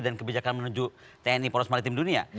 dan kebijakan menuju tni polos maritim dunia